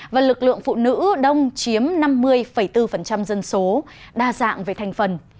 và lực lượng phụ nữ đông chiếm năm mươi bốn dân số đa dạng về thành phần